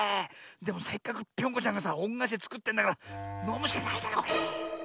でもせっかくぴょんこちゃんがさおんがえしでつくってんだからのむしかないだろこれ。